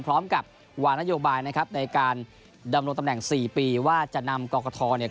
พร้อมกับวางนโยบายนะครับในการดำรงตำแหน่งสี่ปีว่าจะนำกรกฐเนี่ย